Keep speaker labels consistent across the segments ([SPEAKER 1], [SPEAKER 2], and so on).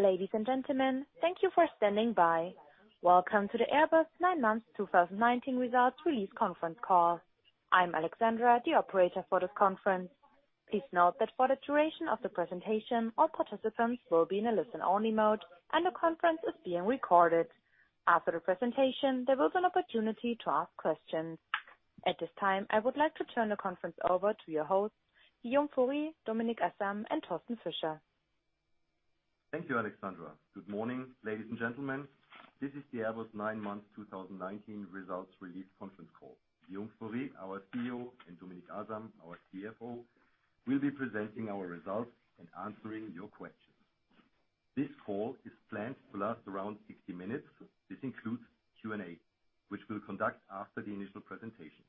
[SPEAKER 1] Ladies and gentlemen, thank you for standing by. Welcome to the Airbus Nine Month 2019 Results Release Conference Call. I'm Alexandra, the operator for this conference. Please note that for the duration of the presentation, all participants will be in a listen-only mode, and the conference is being recorded. After the presentation, there will be an opportunity to ask questions. At this time, I would like to turn the conference over to your hosts, Guillaume Faury, Dominik Asam, and Thorsten Fischer.
[SPEAKER 2] Thank you, Alexandra. Good morning, ladies and gentlemen. This is the Airbus Nine Month 2019 Results Release Conference Call. Guillaume Faury, our CEO, and Dominik Asam, our CFO, will be presenting our results and answering your questions. This call is planned to last around 60 minutes. This includes Q&A, which we'll conduct after the initial presentation.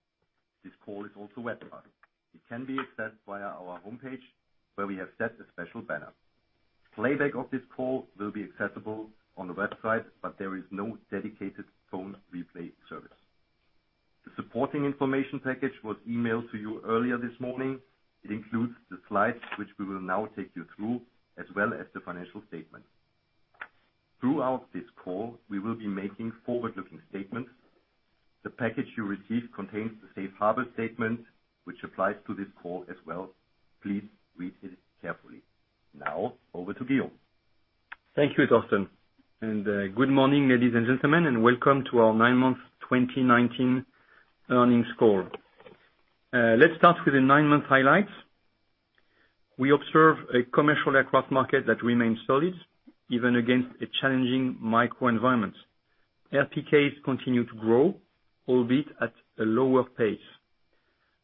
[SPEAKER 2] This call is also webcast. It can be accessed via our homepage, where we have set a special banner. Playback of this call will be accessible on the website. There is no dedicated phone replay service. The supporting information package was emailed to you earlier this morning. It includes the slides, which we will now take you through, as well as the financial statement. Throughout this call, we will be making forward-looking statements. The package you receive contains the safe harbor statement, which applies to this call as well. Please read it carefully. Now, over to Guillaume.
[SPEAKER 3] Thank you, Thorsten, and good morning, ladies and gentlemen, and welcome to our nine-month 2019 earnings call. Let's start with the nine-month highlights. We observe a commercial aircraft market that remains solid, even against a challenging macroenvironment. FTKs continue to grow, albeit at a lower pace.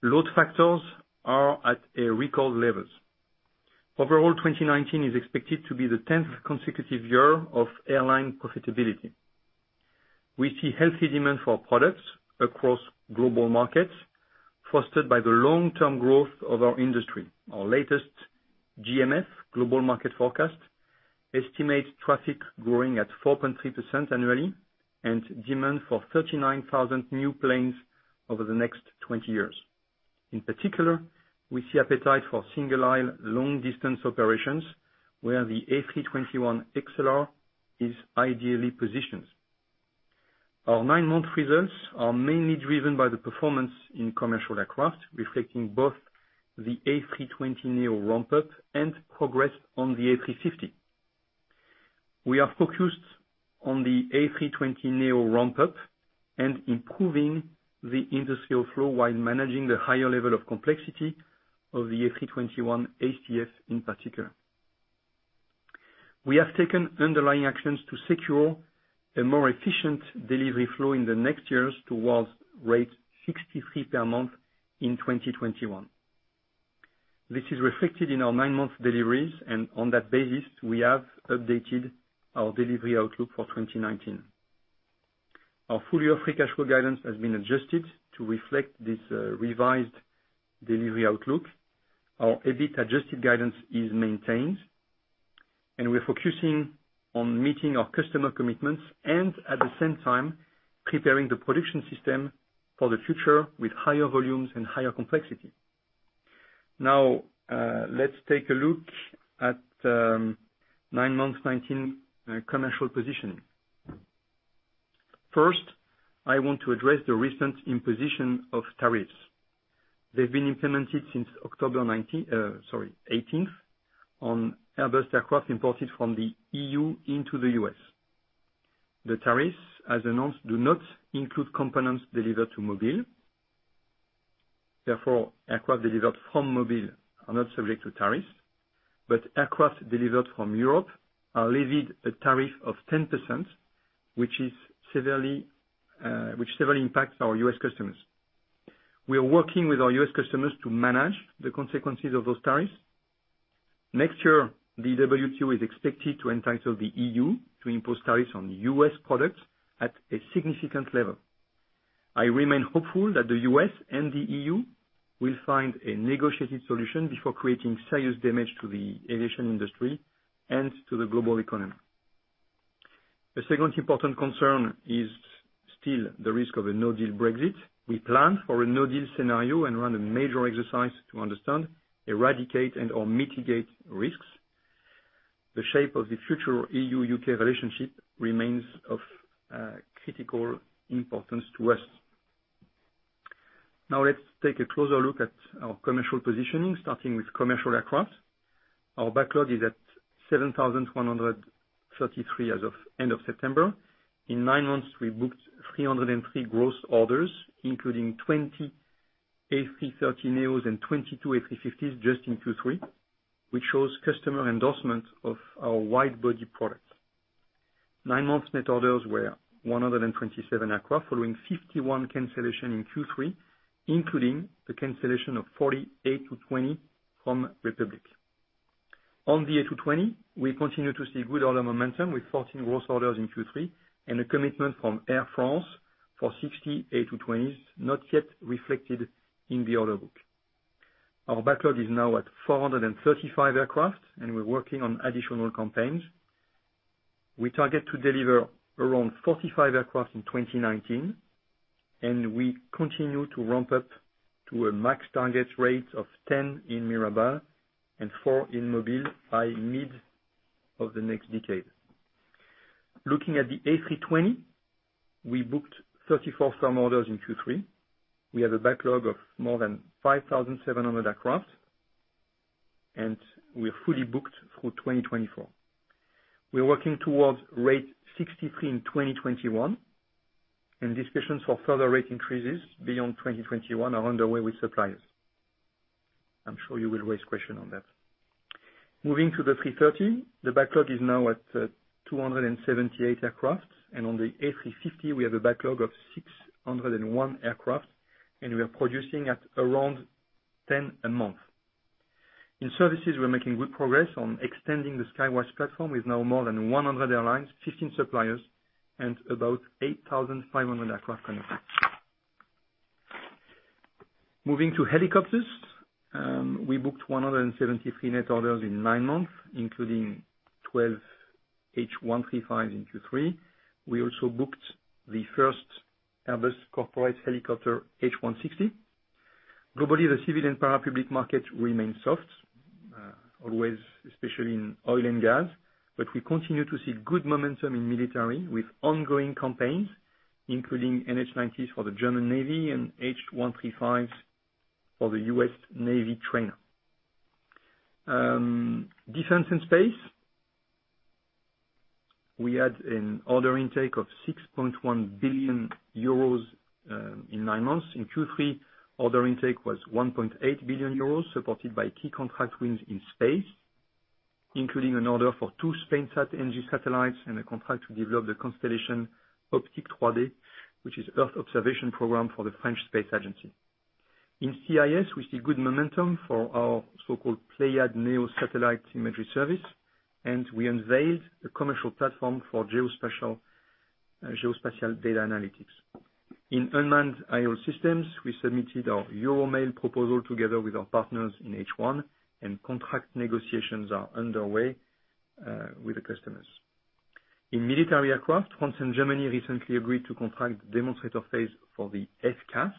[SPEAKER 3] Load factors are at record levels. Overall, 2019 is expected to be the tenth consecutive year of airline profitability. We see healthy demand for our products across global markets, fostered by the long-term growth of our industry. Our latest GMF, Global Market Forecast, estimates traffic growing at 4.3% annually and demand for 39,000 new planes over the next 20 years. In particular, we see appetite for single-aisle, long-distance operations, where the A321XLR is ideally positioned. Our nine-month results are mainly driven by the performance in commercial aircraft, reflecting both the A320neo ramp-up and progress on the A350. We are focused on the A320neo ramp-up and improving the industrial flow while managing the higher level of complexity of the A321 ACF in particular. We have taken underlying actions to secure a more efficient delivery flow in the next years towards rate 63 per month in 2021. This is reflected in our nine-month deliveries, and on that basis, we have updated our delivery outlook for 2019. Our full-year free cash flow guidance has been adjusted to reflect this revised delivery outlook. Our EBIT-adjusted guidance is maintained, and we're focusing on meeting our customer commitments and, at the same time, preparing the production system for the future with higher volumes and higher complexity. Now, let's take a look at nine-month 2019 commercial positioning. First, I want to address the recent imposition of tariffs. They've been implemented since October 18th, on Airbus aircraft imported from the EU into the U.S. The tariffs, as announced, do not include components delivered to Mobile. Aircraft delivered from Mobile are not subject to tariffs, but aircraft delivered from Europe are levied a tariff of 10%, which severely impacts our U.S. customers. We are working with our U.S. customers to manage the consequences of those tariffs. Next year, the WTO is expected to entitle the EU to impose tariffs on U.S. products at a significant level. I remain hopeful that the U.S. and the EU will find a negotiated solution before creating serious damage to the aviation industry and to the global economy. The second important concern is still the risk of a no-deal Brexit. We plan for a no-deal scenario and run a major exercise to understand, eradicate, and/or mitigate risks. The shape of the future EU-UK relationship remains of critical importance to us. Let's take a closer look at our commercial positioning, starting with commercial aircraft. Our backlog is at 7,133 as of end of September. In nine months, we booked 303 gross orders, including 20 A330neos and 22 A350s just in Q3, which shows customer endorsement of our wide-body products. Nine-month net orders were 127 aircraft, following 51 cancellation in Q3, including the cancellation of 40 A220 from Republic. On the A220, we continue to see good order momentum with 14 gross orders in Q3 and a commitment from Air France for 60 A220s, not yet reflected in the order book. Our backlog is now at 435 aircraft, and we're working on additional campaigns. We target to deliver around 45 aircraft in 2019, and we continue to ramp up to a max target rate of 10 in Mirabel and 4 in Mobile by mid of the next decade. Looking at the A320, we booked 34 firm orders in Q3. We have a backlog of more than 5,700 aircraft, and we're fully booked through 2024. We're working towards rate 63 in 2021, and discussions for further rate increases beyond 2021 are underway with suppliers. I'm sure you will raise question on that. Moving to the 330, the backlog is now at 278 aircraft, and on the A350, we have a backlog of 601 aircraft, and we are producing at around 10 a month. In services, we're making good progress on extending the Skywise platform with now more than 100 airlines, 15 suppliers, and about 8,500 aircraft connections. Moving to helicopters, we booked 173 net orders in nine months, including 12 H135 in Q3. We also booked the first Airbus Corporate Helicopters H160. Globally, the civil and parapublic market remains soft, always, especially in oil and gas, but we continue to see good momentum in military with ongoing campaigns, including NH90s for the German Navy and H135s for the U.S. Navy trainer. Defense and Space, we had an order intake of 6.1 billion euros, in nine months. In Q3, order intake was 1.8 billion euros, supported by key contract wins in Space, including an order for two SpainSat NG satellites and a contract to develop the Constellation Optique en 3D, which is Earth observation program for the French Space Agency. In CIS, we see good momentum for our so-called Pléiades Neo satellite imagery service. We unveiled the commercial platform for geospatial data analytics. In unmanned AI systems, we submitted our Eurodrone proposal together with our partners in H1. Contract negotiations are underway with the customers. In military aircraft, France and Germany recently agreed to contract the demonstrator phase for the FCAS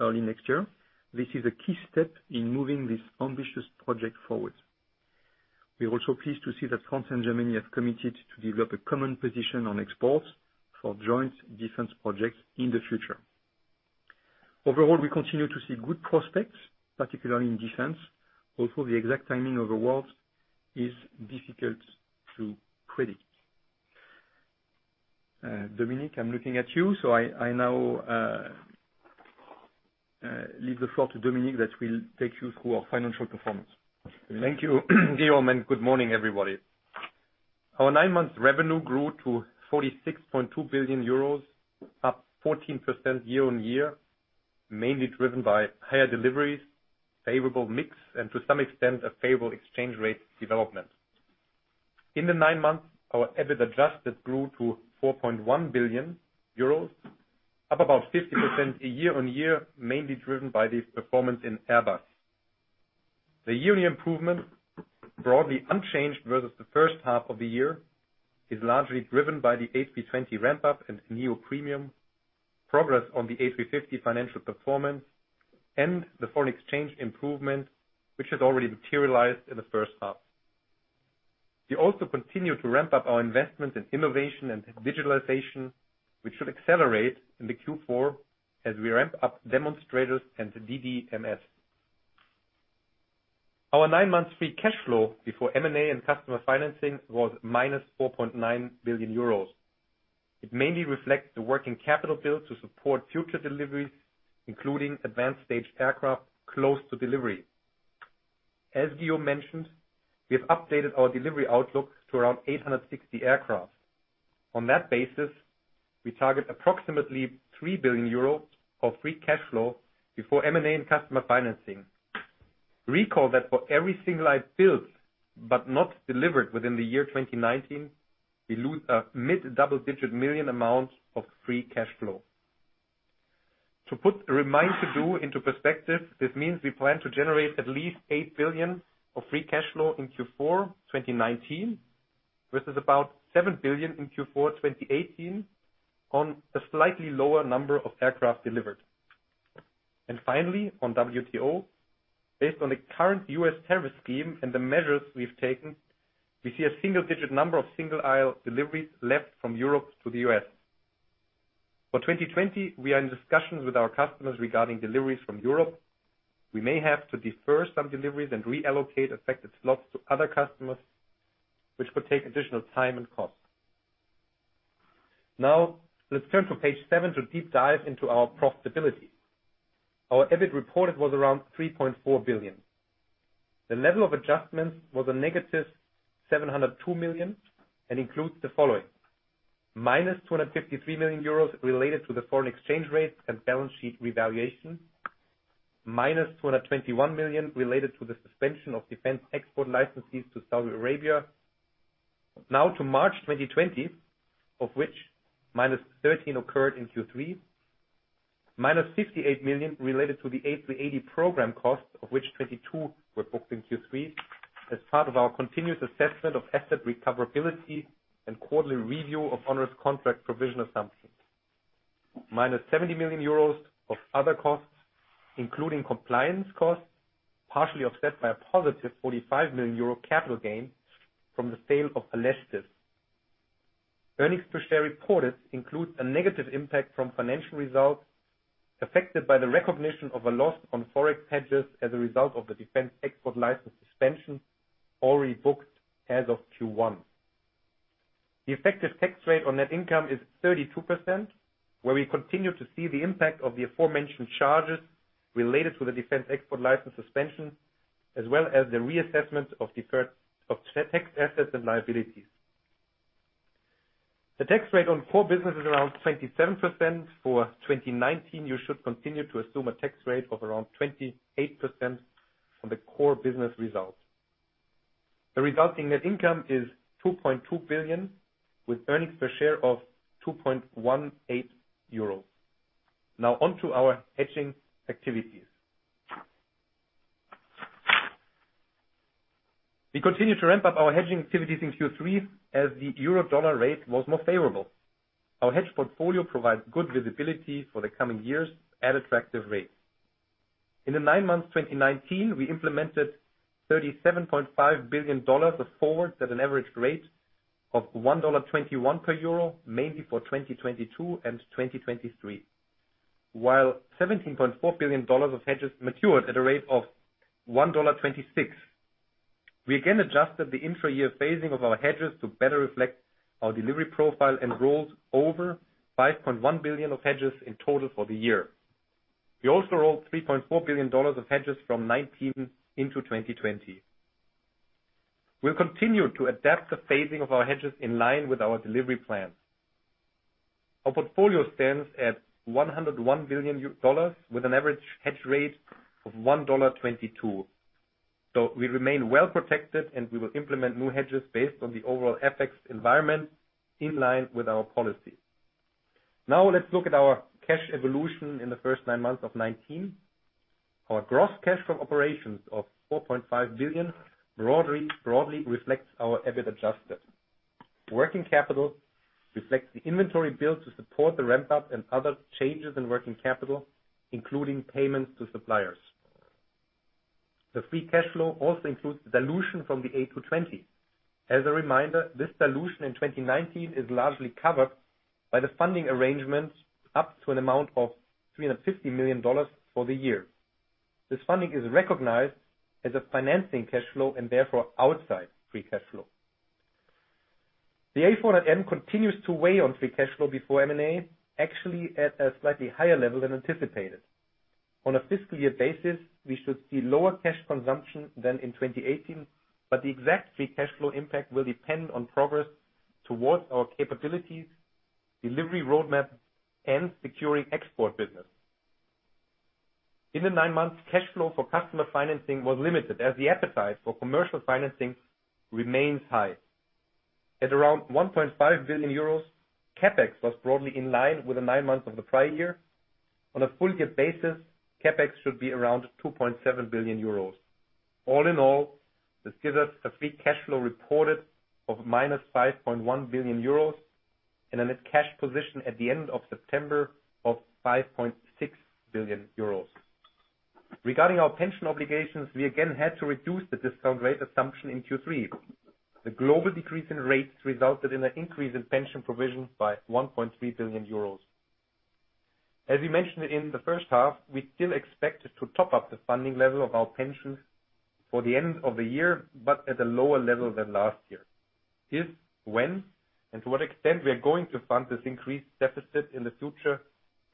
[SPEAKER 3] early next year. This is a key step in moving this ambitious project forward. We are also pleased to see that France and Germany have committed to develop a common position on exports for joint defense projects in the future. Overall, we continue to see good prospects, particularly in defense, although the exact timing of awards is difficult to predict. Dominik, I'm looking at you. I now leave the floor to Dominik that will take you through our financial performance.
[SPEAKER 4] Thank you, Guillaume. Good morning, everybody. Our nine-month revenue grew to 46.2 billion euros, up 14% year-on-year, mainly driven by higher deliveries, favorable mix, and to some extent, a favorable exchange rate development. In the nine months, our EBIT Adjusted grew to 4.1 billion euros, up about 50% year-on-year, mainly driven by the performance in Airbus. The year improvement, broadly unchanged versus the first half of the year, is largely driven by the A320 ramp-up and neo premium, progress on the A350 financial performance, and the foreign exchange improvement, which has already materialized in the first half. We also continue to ramp up our investment in innovation and digitalization, which should accelerate in the Q4 as we ramp up demonstrators and the DDMS. Our nine-month free cash flow before M&A and customer financing was minus 4.9 billion euros. It mainly reflects the working capital build to support future deliveries, including advanced stage aircraft close to delivery. As Guillaume mentioned, we have updated our delivery outlook to around 860 aircraft. On that basis, we target approximately 3 billion euro of free cash flow before M&A and customer financing. Recall that for every single aisle built but not delivered within the year 2019, we lose a mid double-digit million amount of free cash flow. To put remain-to-do into perspective, this means we plan to generate at least 8 billion of free cash flow in Q4 2019, versus about 7 billion in Q4 2018, on a slightly lower number of aircraft delivered. Finally, on WTO, based on the current U.S. tariff scheme and the measures we've taken, we see a single-digit number of single-aisle deliveries left from Europe to the U.S. For 2020, we are in discussions with our customers regarding deliveries from Europe. We may have to defer some deliveries and reallocate affected slots to other customers, which could take additional time and cost. Let's turn to page seven to deep dive into our profitability. Our EBIT reported was around 3.4 billion. The level of adjustments was a negative 702 million and includes the following: minus 253 million euros related to the foreign exchange rate and balance sheet revaluation, minus 221 million related to the suspension of defense export licenses to Saudi Arabia. To March 2020, of which minus 13 million occurred in Q3. Minus 68 million related to the A380 program cost, of which 22 were booked in Q3 as part of our continuous assessment of asset recoverability and quarterly review of onerous contract provision assumptions. Minus 70 million euros of other costs, including compliance costs, partially offset by a positive 45 million euro capital gain from the sale of Alestis. Earnings per share reported includes a negative impact from financial results affected by the recognition of a loss on Forex hedges as a result of the defense export license suspension already booked as of Q1. The effective tax rate on net income is 32%, where we continue to see the impact of the aforementioned charges related to the defense export license suspension, as well as the reassessment of deferred tax assets and liabilities. The tax rate on core business is around 27%. For 2019, you should continue to assume a tax rate of around 28% on the core business result. The resulting net income is 2.2 billion, with earnings per share of 2.18 euro. Now, on to our hedging activities. We continued to ramp up our hedging activities in Q3 as the euro-dollar rate was more favorable. Our hedge portfolio provides good visibility for the coming years at attractive rates. In the 9 months 2019, we implemented EUR 37.5 billion of forwards at an average rate of $1.21 per euro, mainly for 2022 and 2023. EUR 17.4 billion of hedges matured at a rate of $1.26. We again adjusted the intra-year phasing of our hedges to better reflect our delivery profile, and rolled over 5.1 billion of hedges in total for the year. We also rolled EUR 3.4 billion of hedges from 2019 into 2020. We'll continue to adapt the phasing of our hedges in line with our delivery plans. Our portfolio stands at EUR 101 billion with an average hedge rate of $1.22. We remain well-protected, and we will implement new hedges based on the overall FX environment in line with our policy. Let's look at our cash evolution in the first nine months of 2019. Our gross cash from operations of 4.5 billion broadly reflects our EBIT Adjusted. Working capital reflects the inventory build to support the ramp-up and other changes in working capital, including payments to suppliers. The free cash flow also includes dilution from the A220. As a reminder, this dilution in 2019 is largely covered by the funding arrangements up to an amount of $350 million for the year. This funding is recognized as a financing cash flow and therefore outside free cash flow. The A400M continues to weigh on free cash flow before M&A, actually at a slightly higher level than anticipated. On a fiscal year basis, we should see lower cash consumption than in 2018, but the exact free cash flow impact will depend on progress towards our capabilities, delivery roadmap, and securing export business. In the nine months, cash flow for customer financing was limited as the appetite for commercial financing remains high. At around 1.5 billion euros, CapEx was broadly in line with the nine months of the prior year. On a full year basis, CapEx should be around 2.7 billion euros. All in all, this gives us a free cash flow reported of minus 5.1 billion euros and a net cash position at the end of September of 5.6 billion euros. Regarding our pension obligations, we again had to reduce the discount rate assumption in Q3. The global decrease in rates resulted in an increase in pension provisions by 1.3 billion euros. As we mentioned in the first half, we still expect to top up the funding level of our pensions for the end of the year, but at a lower level than last year. If, when, and to what extent we are going to fund this increased deficit in the future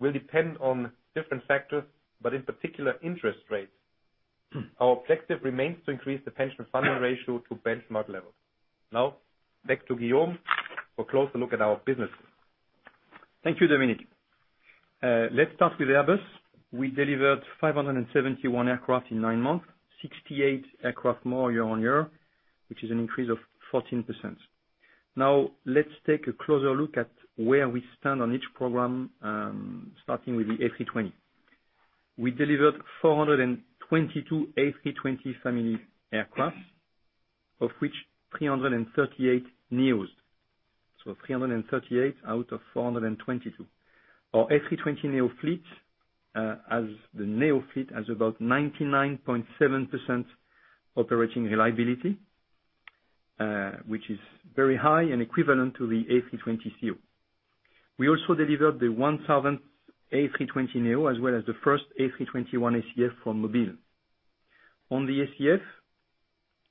[SPEAKER 4] will depend on different factors, but in particular, interest rates. Our objective remains to increase the pension funding ratio to benchmark level. Now, back to Guillaume for a closer look at our businesses.
[SPEAKER 3] Thank you, Dominik. Let's start with Airbus. We delivered 571 aircraft in nine months, 68 aircraft more year-on-year, which is an increase of 14%. Let's take a closer look at where we stand on each program, starting with the A320. We delivered 422 A320 family aircraft, of which 338 NEOs. 338 out of 422. Our A320neo fleet has about 99.7% operating reliability, which is very high and equivalent to the A320ceo. We also delivered the 1,000th A320neo, as well as the first A321 ACF for Mobile. On the ACF,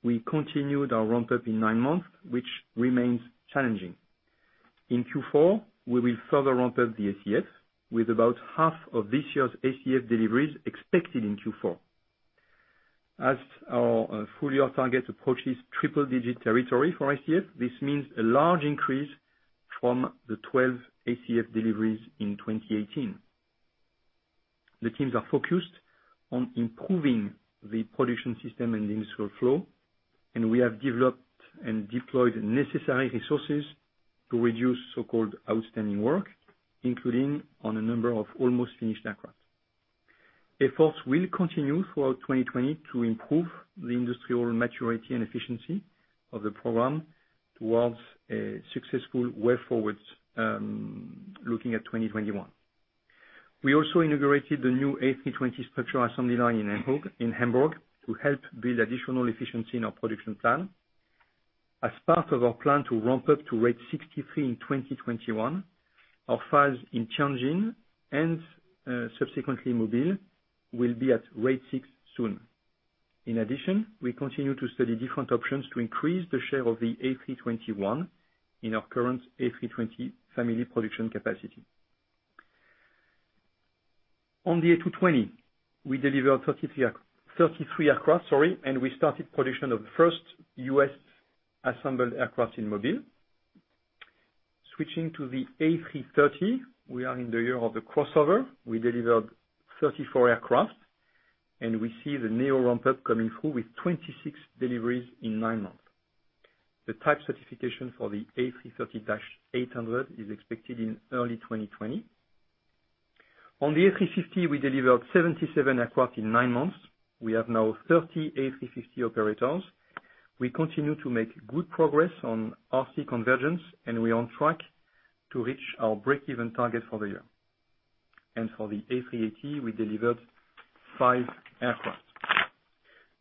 [SPEAKER 3] we continued our ramp-up in nine months, which remains challenging. In Q4, we will further ramp up the ACF, with about half of this year's ACF deliveries expected in Q4. As our full-year target approaches triple-digit territory for ACF, this means a large increase from the 12 ACF deliveries in 2018. The teams are focused on improving the production system and the industrial flow. We have developed and deployed necessary resources to reduce so-called outstanding work, including on a number of almost finished aircraft. Efforts will continue throughout 2020 to improve the industrial maturity and efficiency of the program towards a successful way forward, looking at 2021. We also inaugurated the new A320 structural assembly line in Hamburg to help build additional efficiency in our production plan. As part of our plan to ramp up to rate 63 in 2021, our files in Tianjin and subsequently Mobile will be at rate 6 soon. In addition, we continue to study different options to increase the share of the A321 in our current A320 family production capacity. On the A220, we delivered 33 aircraft, and we started production of the first U.S. assembled aircraft in Mobile. Switching to the A330, we are in the year of the crossover. We delivered 34 aircraft, and we see the neo ramp-up coming through with 26 deliveries in nine months. The type certification for the A330-800 is expected in early 2020. On the A350, we delivered 77 aircraft in nine months. We have now 30 A350 operators. We continue to make good progress on cost convergence, and we are on track to reach our break-even target for the year. For the A380, we delivered five aircraft.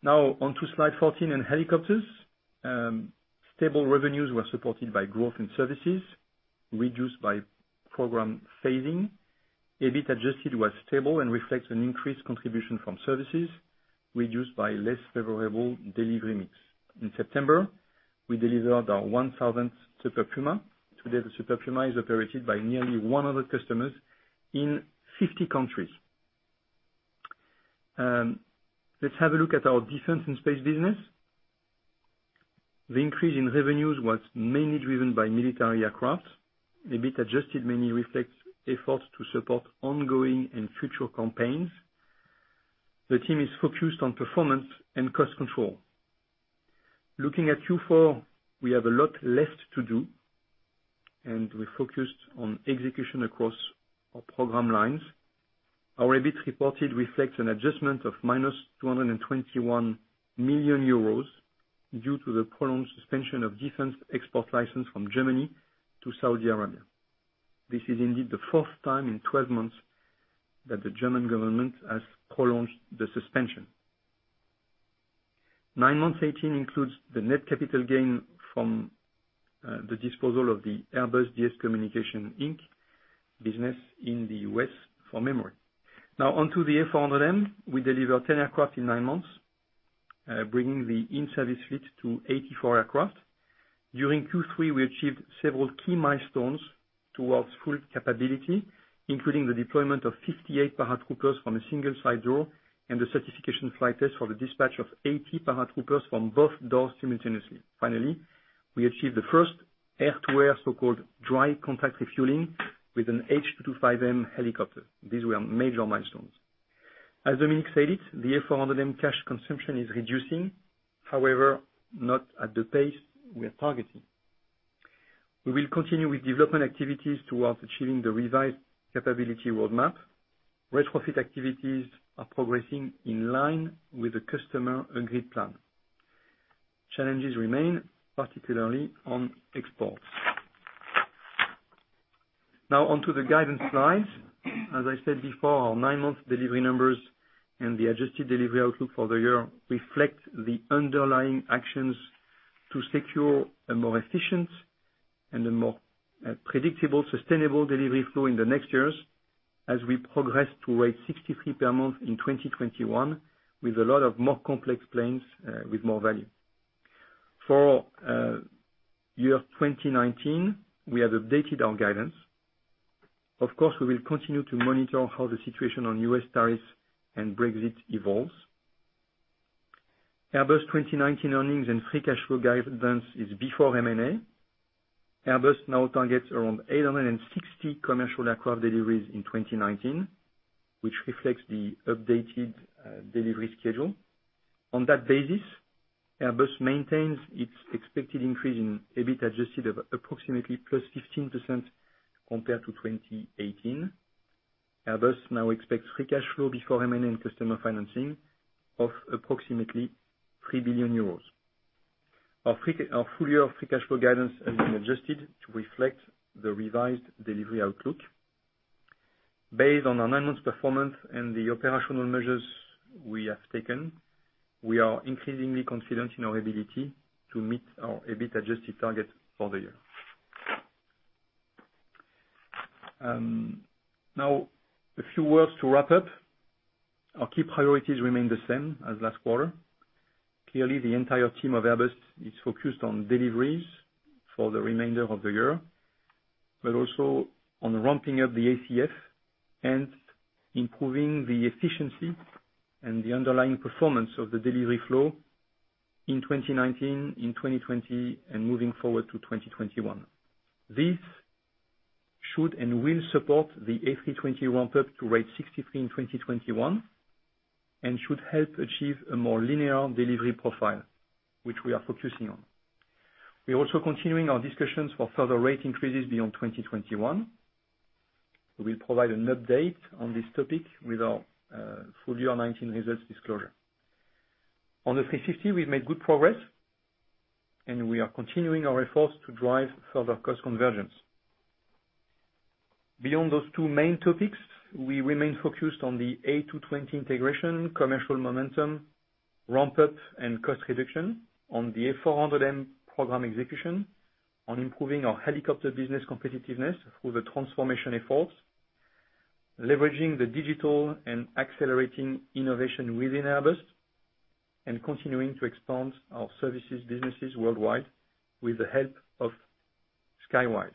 [SPEAKER 3] On to slide 14 on helicopters. Stable revenues were supported by growth in services, reduced by program phasing. EBIT Adjusted was stable and reflects an increased contribution from services, reduced by less favorable delivery mix. In September, we delivered our 1,000th Super Puma. Today, the Super Puma is operated by nearly 100 customers in 50 countries. Let's have a look at our defense and space business. The increase in revenues was mainly driven by military aircraft. EBIT Adjusted mainly reflects efforts to support ongoing and future campaigns. The team is focused on performance and cost control. Looking at Q4, we have a lot left to do, and we're focused on execution across our program lines. Our EBIT (reported) reflects an adjustment of minus 221 million euros due to the prolonged suspension of defense export license from Germany to Saudi Arabia. This is indeed the fourth time in 12 months that the German government has prolonged the suspension. 9 months 2018 includes the net capital gain from the disposal of the Airbus DS Communications, Inc. business in the U.S. for memory. On to the A400M. We delivered 10 aircraft in 9 months, bringing the in-service fleet to 84 aircraft. During Q3, we achieved several key milestones towards full capability, including the deployment of 58 paratroopers from a single side door and the certification flight test for the dispatch of 80 paratroopers from both doors simultaneously. Finally, we achieved the first air-to-air so-called dry contact refueling with an H225M helicopter. These were our major milestones. As Dominik said it, the A400M cash consumption is reducing, however, not at the pace we're targeting. We will continue with development activities towards achieving the revised capability roadmap. Retrofit activities are progressing in line with the customer agreed plan. Challenges remain, particularly on exports. On to the guidance slides. As I said before, our nine-month delivery numbers and the adjusted delivery outlook for the year reflect the underlying actions to secure a more efficient and a more predictable, sustainable delivery flow in the next years as we progress to rate 63 per month in 2021, with a lot of more complex planes with more value. For year 2019, we have updated our guidance. Of course, we will continue to monitor how the situation on U.S. tariffs and Brexit evolves. Airbus 2019 earnings and free cash flow guidance is before M&A. Airbus now targets around 860 commercial aircraft deliveries in 2019, which reflects the updated delivery schedule. On that basis, Airbus maintains its expected increase in EBIT Adjusted of approximately +15% compared to 2018. Airbus now expects free cash flow before M&A and customer financing of approximately 3 billion euros. Our full year free cash flow guidance has been adjusted to reflect the revised delivery outlook. Based on our nine months performance and the operational measures we have taken, we are increasingly confident in our ability to meet our EBIT Adjusted target for the year. A few words to wrap up. Our key priorities remain the same as last quarter. The entire team of Airbus is focused on deliveries for the remainder of the year, but also on ramping up the ACF and improving the efficiency and the underlying performance of the delivery flow in 2019, in 2020, and moving forward to 2021. This should and will support the A320 ramp up to rate 63 in 2021, and should help achieve a more linear delivery profile, which we are focusing on. We are also continuing our discussions for further rate increases beyond 2021. We will provide an update on this topic with our full year 2019 results disclosure. On the A350, we've made good progress, and we are continuing our efforts to drive further cost convergence. Beyond those two main topics, we remain focused on the A220 integration, commercial momentum, ramp up, and cost reduction on the A400M program execution, on improving our helicopter business competitiveness through the transformation efforts, leveraging the digital and accelerating innovation within Airbus, and continuing to expand our services businesses worldwide with the help of Skywise.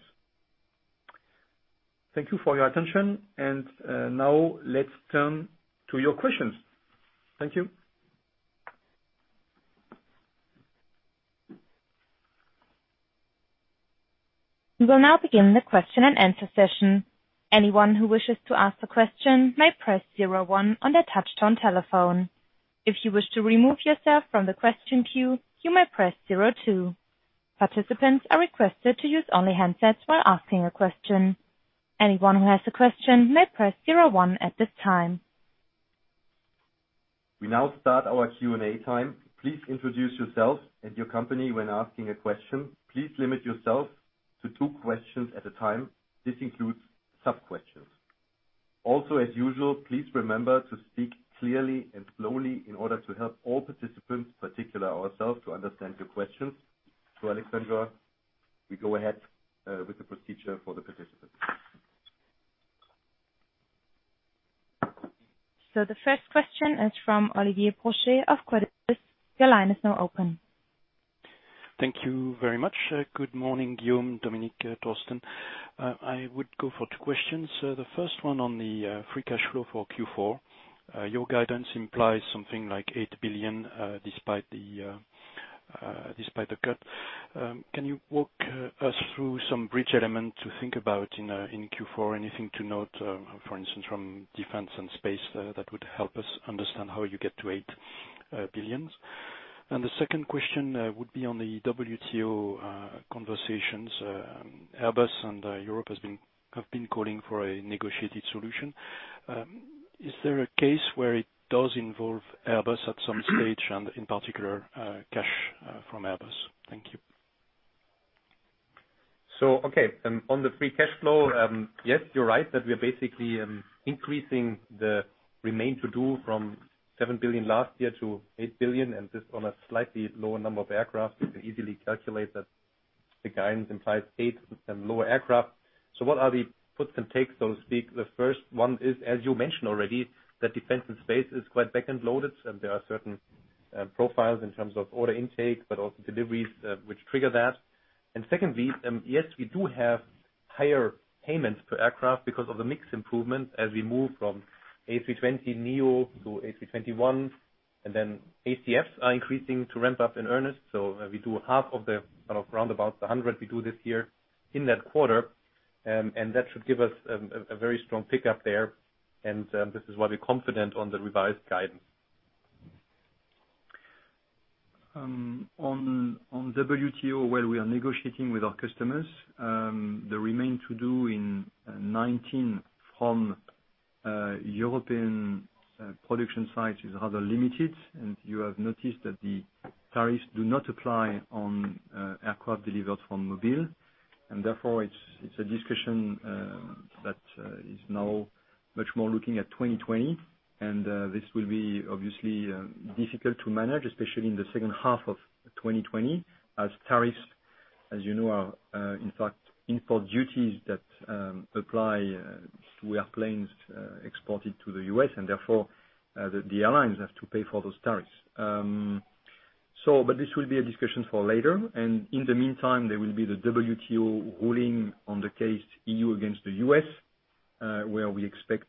[SPEAKER 3] Thank you for your attention. Now let's turn to your questions. Thank you.
[SPEAKER 1] We will now begin the question and answer session. Anyone who wishes to ask a question may press zero one on their touch-tone telephone. If you wish to remove yourself from the question queue, you may press zero two. Participants are requested to use only handsets while asking a question. Anyone who has a question may press zero one at this time.
[SPEAKER 4] We now start our Q&A time. Please introduce yourself and your company when asking a question. Please limit yourself to two questions at a time. This includes sub-questions. As usual, please remember to speak clearly and slowly in order to help all participants, particular ourselves, to understand your questions. Alexandra, we go ahead with the procedure for the participants.
[SPEAKER 1] The first question is from Olivier Brochet of Credit Suisse. Your line is now open.
[SPEAKER 5] Thank you very much. Good morning, Guillaume, Dominik, Thorsten. I would go for two questions. The first one on the free cash flow for Q4. Your guidance implies something like 8 billion, despite the cut. Can you walk us through some bridge element to think about in Q4? Anything to note, for instance, from Defense and Space that would help us understand how you get to 8 billion? The second question would be on the WTO conversations. Airbus and Europe have been calling for a negotiated solution. Is there a case where it does involve Airbus at some stage and in particular, cash from Airbus? Thank you.
[SPEAKER 4] On the free cash flow, yes, you're right, that we are basically increasing the remain to do from 7 billion last year to 8 billion, and this on a slightly lower number of aircraft. You can easily calculate that the guidance implies eight and lower aircraft. What are the puts and takes, so to speak? The first one is, as you mentioned already, that Defence and Space is quite back-end loaded, and there are certain profiles in terms of order intake, but also deliveries, which trigger that. Secondly, yes, we do have higher payments per aircraft because of the mix improvement as we move from A320neo to A321, and then ACFs are increasing to ramp up in earnest. We do half of the round about 100 we do this year in that quarter, and that should give us a very strong pickup there, and this is why we're confident on the revised guidance.
[SPEAKER 3] On WTO, where we are negotiating with our customers, the remain to do in 2019 from European production sites is rather limited, and you have noticed that the tariffs do not apply on aircraft delivered from Mobile. Therefore, it's a discussion that is now much more looking at 2020, and this will be obviously difficult to manage, especially in the second half of 2020 as tariffs, as you know, are in fact import duties that apply to airplanes exported to the U.S., and therefore, the airlines have to pay for those tariffs. This will be a discussion for later. In the meantime, there will be the WTO ruling on the case, EU against the U.S., where we expect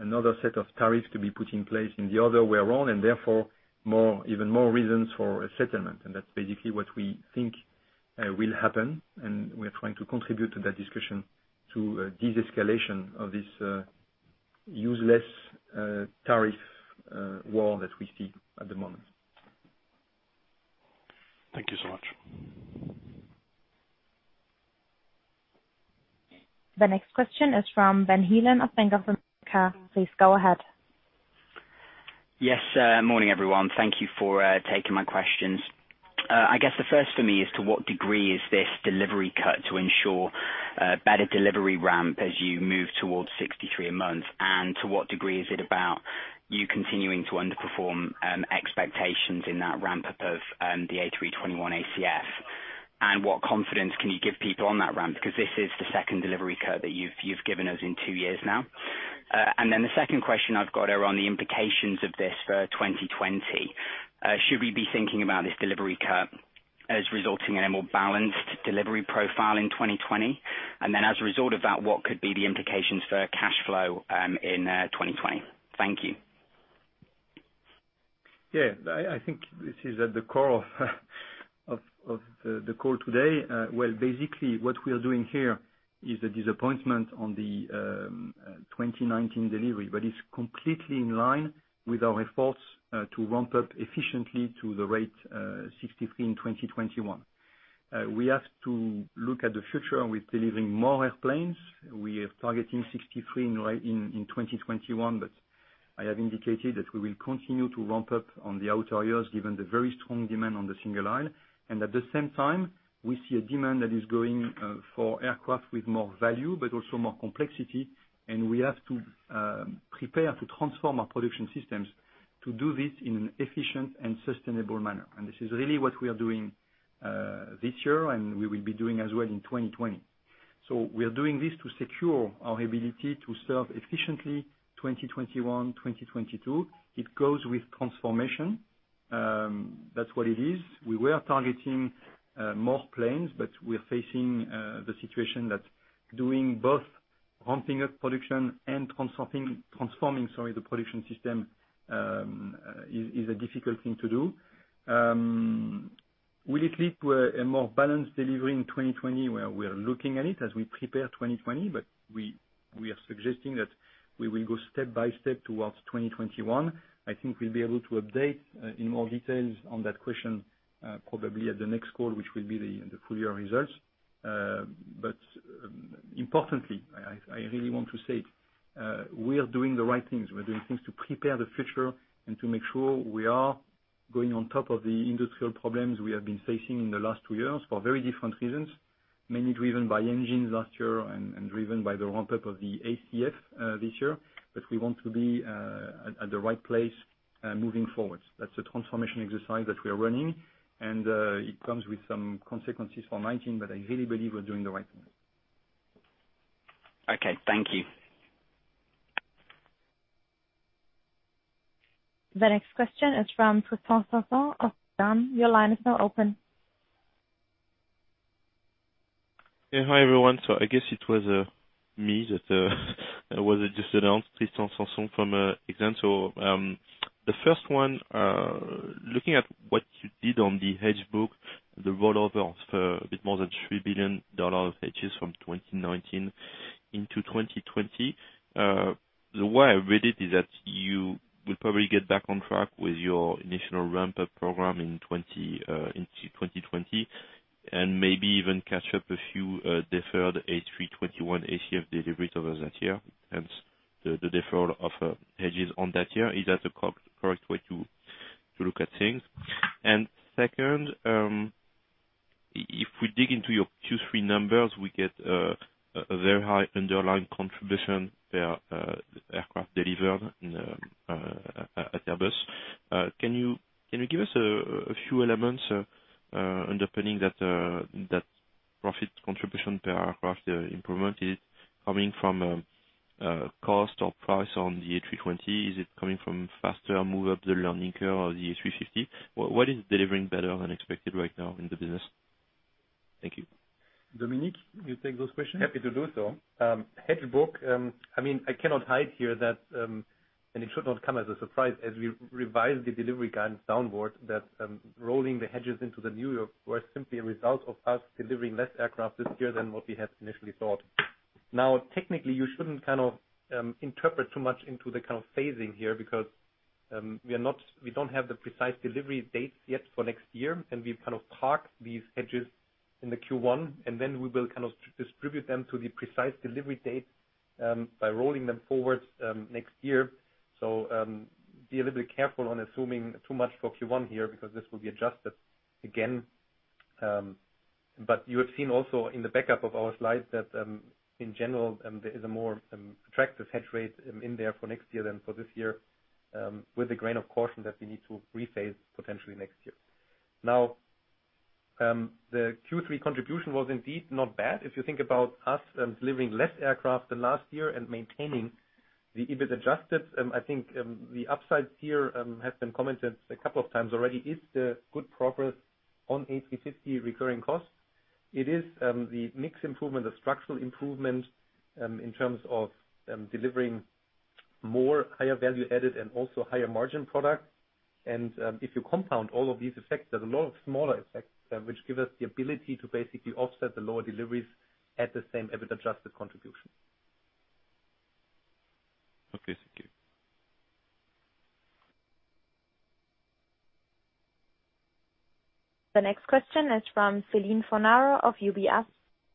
[SPEAKER 3] another set of tariffs to be put in place in the other way around, and therefore even more reasons for a settlement. That's basically what we think will happen, and we are trying to contribute to that discussion to a de-escalation of this useless tariff war that we see at the moment.
[SPEAKER 5] Thank you so much.
[SPEAKER 1] The next question is from Benjamin Heelan of Bank of America. Please go ahead.
[SPEAKER 6] Yes. Morning, everyone. Thank you for taking my questions. I guess the first for me is to what degree is this delivery cut to ensure better delivery ramp as you move towards 63 a month? To what degree is it about you continuing to underperform expectations in that ramp up of the A321 ACF? What confidence can you give people on that ramp? Because this is the second delivery cut that you've given us in two years now. The second question I've got are on the implications of this for 2020. Should we be thinking about this delivery cut as resulting in a more balanced delivery profile in 2020? As a result of that, what could be the implications for cash flow in 2020? Thank you.
[SPEAKER 3] Yeah, I think this is at the core of the call today. Well, basically, what we are doing here is a disappointment on the 2019 delivery, but it's completely in line with our efforts to ramp up efficiently to the rate 63 in 2021. We have to look at the future with delivering more airplanes. We are targeting 63 in 2021, but I have indicated that we will continue to ramp up on the outer years given the very strong demand on the single aisle. At the same time, we see a demand that is growing for aircraft with more value, but also more complexity. We have to prepare to transform our production systems to do this in an efficient and sustainable manner. This is really what we are doing this year, and we will be doing as well in 2020. We are doing this to secure our ability to serve efficiently 2021, 2022. It goes with transformation. That's what it is. We were targeting more planes, but we're facing the situation that doing both ramping up production and transforming the production system is a difficult thing to do. Will it lead to a more balanced delivery in 2020? Well, we are looking at it as we prepare 2020, but we are suggesting that we will go step by step towards 2021. I think we'll be able to update in more details on that question, probably at the next call, which will be the full year results. Importantly, I really want to say, we are doing the right things. We are doing things to prepare the future and to make sure we are going on top of the industrial problems we have been facing in the last two years, for very different reasons, mainly driven by engines last year and driven by the ramp-up of the ACF this year. We want to be at the right place moving forward. That's a transformation exercise that we are running, and it comes with some consequences for 2019, but I really believe we're doing the right thing.
[SPEAKER 6] Okay, thank you.
[SPEAKER 1] The next question is from Tristan Sanson of Exane. Your line is now open.
[SPEAKER 7] Hi, everyone. I guess it was me that was just announced, Tristan Sanson from Exane. The first one, looking at what you did on the hedge book, the rollover of a bit more than $3 billion of hedges from 2019 into 2020. The way I read it is that you will probably get back on track with your initial ramp-up program into 2020, and maybe even catch up a few deferred A321 ACF deliveries over that year, hence the deferral of hedges on that year. Is that the correct way to look at things? Second, if we dig into your Q3 numbers, we get a very high underlying contribution per aircraft delivered at Airbus. Can you give us a few elements underpinning that profit contribution per aircraft improvement? Is it coming from cost or price on the A320? Is it coming from faster move up the learning curve of the A350? What is delivering better than expected right now in the business? Thank you.
[SPEAKER 3] Dominik, you take those questions?
[SPEAKER 4] Happy to do so. Hedge book, I cannot hide here that, it should not come as a surprise as we revise the delivery guidance downwards, that rolling the hedges into the new year was simply a result of us delivering less aircraft this year than what we had initially thought. Technically, you shouldn't interpret too much into the kind of phasing here, because we don't have the precise delivery dates yet for next year, and we've kind of parked these hedges in the Q1, and then we will distribute them to the precise delivery date by rolling them forward next year. Be a little bit careful on assuming too much for Q1 here, because this will be adjusted again. You have seen also in the backup of our slides that, in general, there is a more attractive hedge rate in there for next year than for this year, with a grain of caution that we need to re-phase potentially next year. The Q3 contribution was indeed not bad. If you think about us delivering less aircraft than last year and maintaining the EBIT Adjusted, I think the upsides here have been commented a couple of times already, is the good progress on A350 recurring costs. It is the mix improvement, the structural improvement, in terms of delivering more higher value added and also higher margin product. If you compound all of these effects, there's a lot of smaller effects which give us the ability to basically offset the lower deliveries at the same EBIT Adjusted contribution.
[SPEAKER 7] Okay. Thank you.
[SPEAKER 1] The next question is from Céline Fornaro of UBS.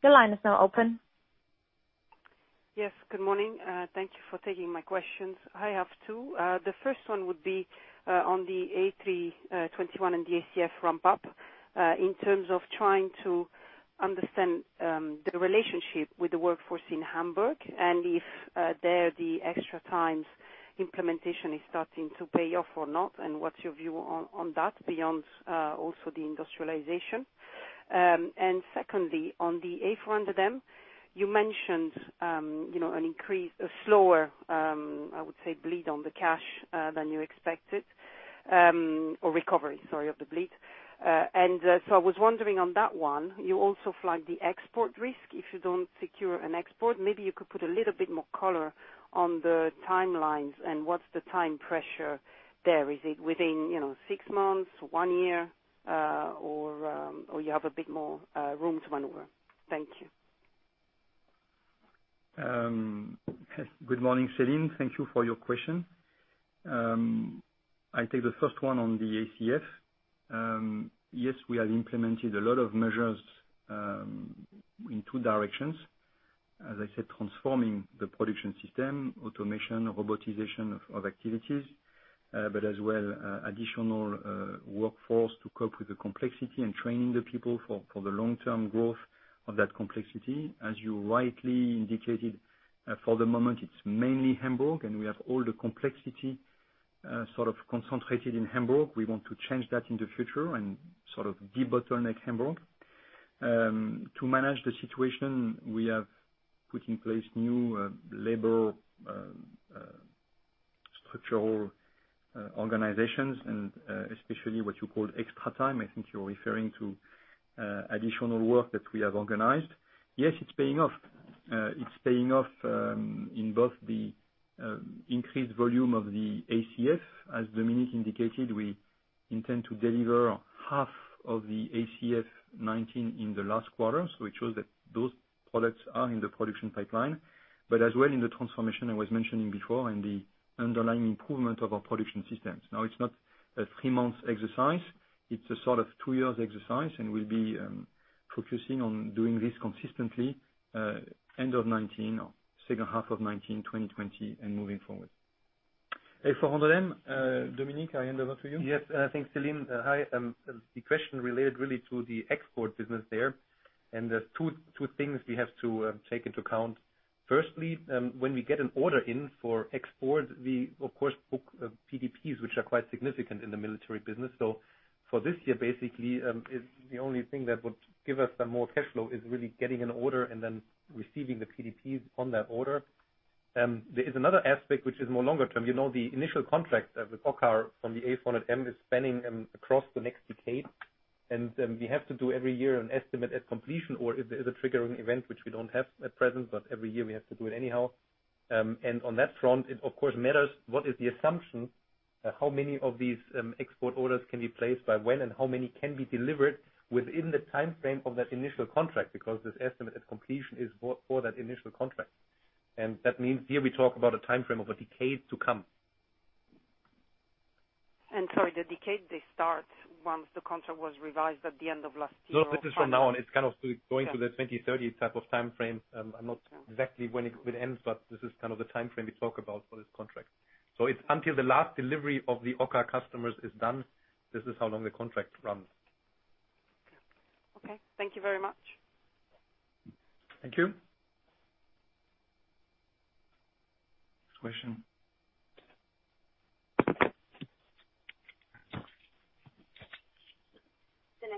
[SPEAKER 1] Your line is now open.
[SPEAKER 8] Yes. Good morning. Thank you for taking my questions. I have two. The first one would be on the A321 and the ACF ramp-up, in terms of trying to understand the relationship with the workforce in Hamburg, and if there, the extra times implementation is starting to pay off or not, and what's your view on that beyond also the industrialization? Secondly, on the A400M, you mentioned an increase, a slower, I would say, bleed on the cash than you expected, or recovery, sorry, of the bleed. I was wondering on that one, you also flagged the export risk, if you don't secure an export. Maybe you could put a little bit more color on the timelines and what's the time pressure there. Is it within six months, one year, or you have a bit more room to maneuver? Thank you.
[SPEAKER 3] Good morning, Céline. Thank you for your question. I take the first one on the ACF. Yes, we have implemented a lot of measures in two directions. As I said, transforming the production system, automation, robotization of activities, but as well additional workforce to cope with the complexity and training the people for the long-term growth of that complexity. As you rightly indicated, for the moment, it's mainly Hamburg, and we have all the complexity sort of concentrated in Hamburg. We want to change that in the future and sort of de-bottleneck Hamburg. To manage the situation, we have put in place new labor structural organizations, and especially what you call extra time, I think you're referring to additional work that we have organized. Yes, it's paying off. It's paying off in both the increased volume of the ACF. As Dominik indicated, we intend to deliver half of the ACF '19 in the last quarter, so it shows that those products are in the production pipeline. As well in the transformation I was mentioning before, and the underlying improvement of our production systems. Now, it's not a three-month exercise. It's a sort of two years exercise, and we'll be focusing on doing this consistently end of '19 or second half of '19, 2020, and moving forward. A400M, Dominik, I hand over to you.
[SPEAKER 4] Yes. Thanks, Céline. Hi. The question related really to the export business there. There's two things we have to take into account. Firstly, when we get an order in for export, we of course book PDPs, which are quite significant in the military business. For this year, basically, is the only thing that would give us some more cash flow is really getting an order and then receiving the PDPs on that order. There is another aspect which is more longer term. The initial contract with OCCAR on the A400M is spanning across the next decade. We have to do every year an Estimate at Completion or is a triggering event which we don't have at present. Every year we have to do it anyhow. On that front, it of course matters what is the assumption, how many of these export orders can be placed by when, and how many can be delivered within the timeframe of that initial contract, because this Estimate at Completion is for that initial contract. That means here we talk about a timeframe of a decade to come.
[SPEAKER 8] Sorry, the decade, they start once the contract was revised at the end of last year?
[SPEAKER 4] No, this is from now on, it's kind of going to the 2030 type of timeframe. I'm not exactly when it would end, but this is kind of the timeframe we talk about for this contract. It's until the last delivery of the OCCAR customers is done, this is how long the contract runs.
[SPEAKER 8] Okay. Thank you very much.
[SPEAKER 4] Thank you.
[SPEAKER 3] Next question.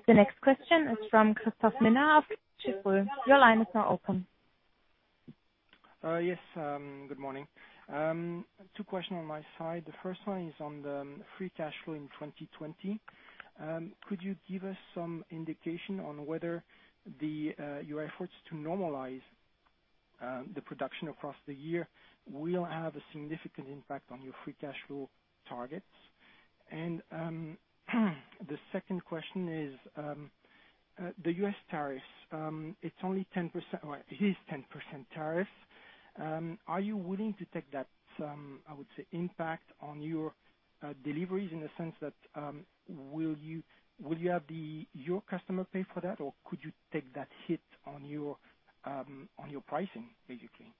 [SPEAKER 1] The next question is from Christophe Menard of Jefferies. Your line is now open.
[SPEAKER 9] Yes, good morning. Two question on my side. The first one is on the free cash flow in 2020. Could you give us some indication on whether your efforts to normalize the production across the year will have a significant impact on your free cash flow targets? The second question is, the U.S. tariffs. It is 10% tariff. Are you willing to take that, I would say, impact on your deliveries in the sense that, will you have your customer pay for that, or could you take that hit on your pricing, basically?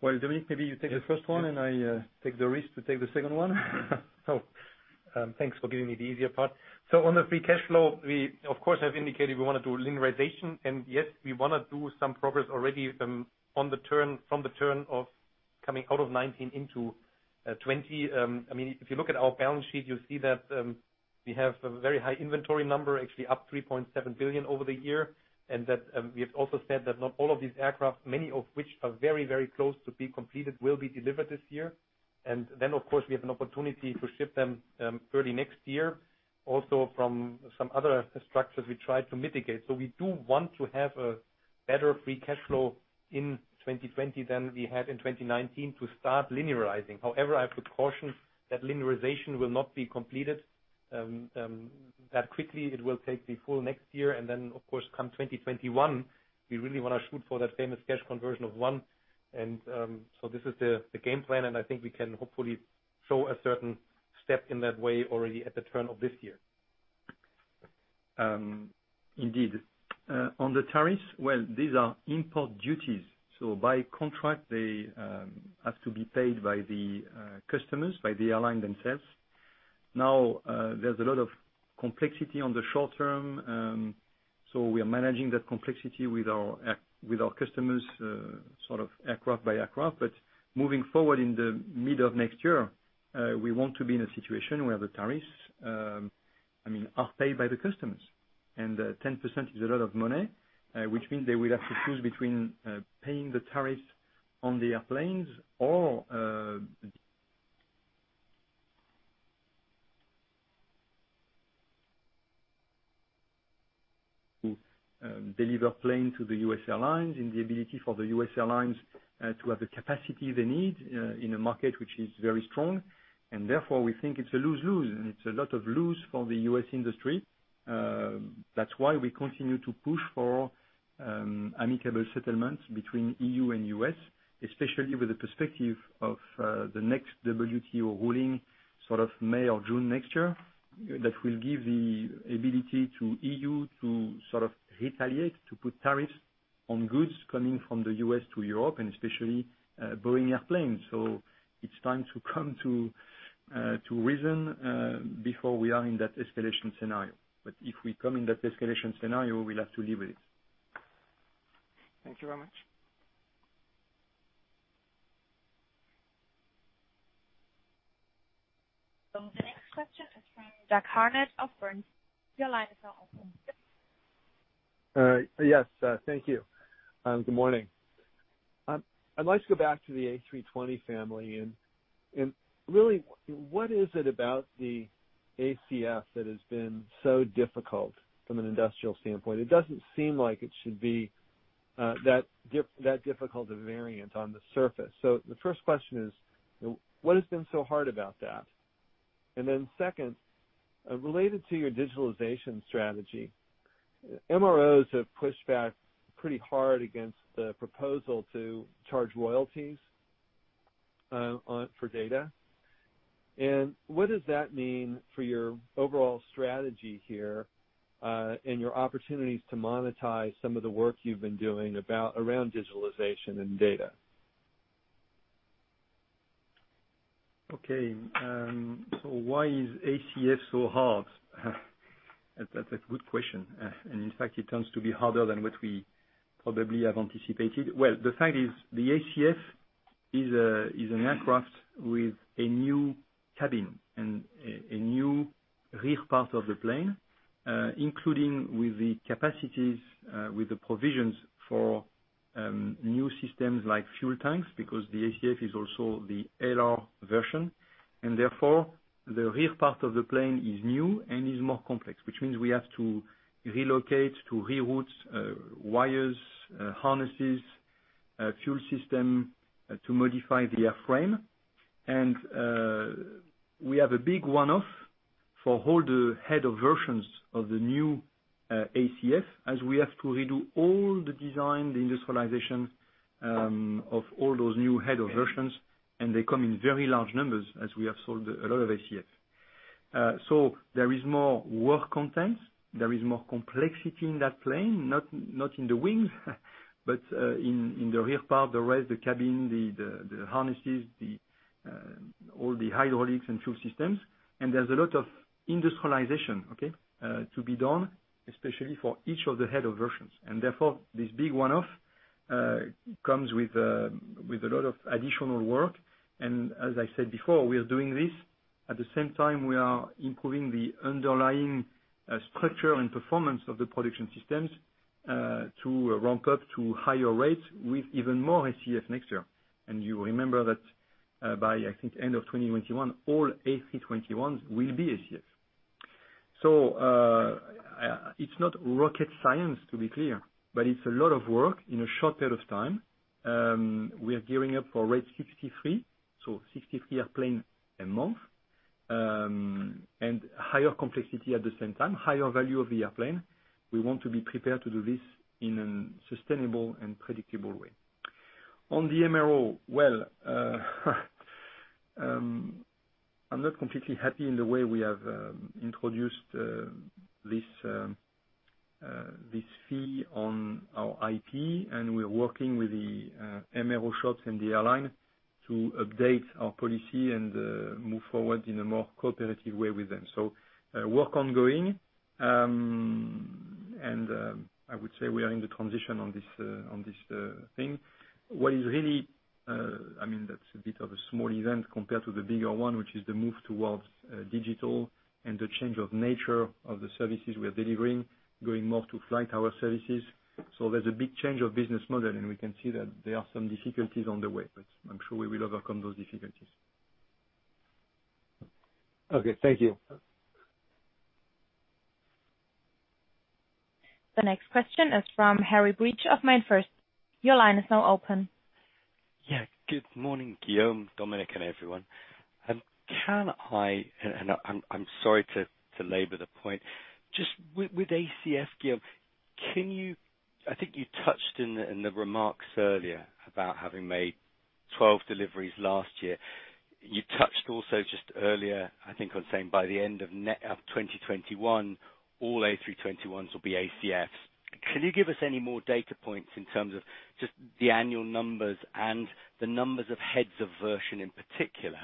[SPEAKER 3] Well, Dominik, maybe you take the first one, and I take the risk to take the second one.
[SPEAKER 4] Thanks for giving me the easier part. On the free cash flow, we of course have indicated we want to do linearization, yet we want to do some progress already from the turn of coming out of 2019 into 2020. If you look at our balance sheet, you'll see that we have a very high inventory number, actually up 3.7 billion over the year, and that we have also said that not all of these aircraft, many of which are very close to be completed, will be delivered this year. Of course we have an opportunity to ship them early next year. From some other structures we tried to mitigate. We do want to have a better free cash flow in 2020 than we had in 2019 to start linearizing. However, I would caution that linearization will not be completed that quickly. It will take the full next year, and then, of course, come 2021, we really want to shoot for that famous cash conversion of one, and so this is the game plan, and I think we can hopefully show a certain step in that way already at the turn of this year.
[SPEAKER 3] Indeed. On the tariffs, well, these are import duties. By contract, they have to be paid by the customers, by the airline themselves. Now, there's a lot of complexity on the short term, so we are managing that complexity with our customers sort of aircraft by aircraft. Moving forward in the middle of next year, we want to be in a situation where the tariffs are paid by the customers. 10% is a lot of money, which means they will have to choose between paying the tariff on the airplanes or to deliver plane to the U.S. airlines and the ability for the U.S. airlines to have the capacity they need in a market which is very strong. Therefore, we think it's a lose-lose, and it's a lot of lose for the U.S. industry. That's why we continue to push for amicable settlements between EU and U.S., especially with the perspective of the next WTO ruling sort of May or June next year that will give the ability to EU to sort of retaliate, to put tariffs on goods coming from the U.S. to Europe, and especially Boeing airplanes. It's time to come to reason before we are in that escalation scenario. If we come in that escalation scenario, we'll have to live with it.
[SPEAKER 9] Thank you very much.
[SPEAKER 1] The next question is from Jack Harnett of Bernstein. Your line is now open
[SPEAKER 10] Yes. Thank you. Good morning. I'd like to go back to the A320 family, and really what is it about the ACF that has been so difficult from an industrial standpoint? It doesn't seem like it should be that difficult a variant on the surface. The first question is, what has been so hard about that? Second, related to your digitalization strategy, MROs have pushed back pretty hard against the proposal to charge royalties for data. What does that mean for your overall strategy here, and your opportunities to monetize some of the work you've been doing around digitalization and data?
[SPEAKER 3] Why is ACF so hard? That's a good question. In fact, it turns to be harder than what we probably have anticipated. Well, the fact is the ACF is an aircraft with a new cabin and a new rear part of the plane, including with the capacities, with the provisions for new systems like fuel tanks, because the ACF is also the LR version. Therefore, the rear part of the plane is new and is more complex, which means we have to relocate, to re-route wires, harnesses, fuel system to modify the airframe. We have a big one-off for all the heads of version of the new ACF, as we have to redo all the design, the industrialization of all those new heads of version, and they come in very large numbers as we have sold a lot of ACFs. There is more work content, there is more complexity in that plane, not in the wings, but in the rear part, the rest, the cabin, the harnesses, all the hydraulics and fuel systems. There's a lot of industrialization, okay, to be done, especially for each of the heads of version. Therefore, this big one-off comes with a lot of additional work, and as I said before, we are doing this, at the same time we are improving the underlying structure and performance of the production systems, to ramp up to higher rates with even more ACFs next year. You remember that by, I think, end of 2021, all A321s will be ACFs. It's not rocket science, to be clear, but it's a lot of work in a short period of time. We are gearing up for rate 63, so 63 airplane a month, and higher complexity at the same time, higher value of the airplane. We want to be prepared to do this in a sustainable and predictable way. On the MRO. Well, I'm not completely happy in the way we have introduced this fee on our IP, and we're working with the MRO shops and the airline to update our policy and move forward in a more cooperative way with them. Work ongoing, and I would say we are in the transition on this thing. That's a bit of a small event compared to the bigger one, which is the move towards digital and the change of nature of the services we are delivering, going more to flight hour services. There's a big change of business model, and we can see that there are some difficulties on the way, but I'm sure we will overcome those difficulties.
[SPEAKER 10] Okay. Thank you.
[SPEAKER 1] The next question is from Harry Breach of MainFirst. Your line is now open.
[SPEAKER 11] Good morning, Guillaume, Dominik, and everyone. I'm sorry to labor the point. With ACF, Guillaume, I think you touched in the remarks earlier about having made 12 deliveries last year. You touched also just earlier, I think on saying by the end of 2021, all A321s will be ACFs. Can you give us any more data points in terms of just the annual numbers and the numbers of heads of version in particular?